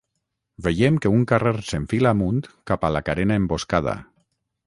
Veiem que un carrer s'enfila amunt cap a la carena emboscada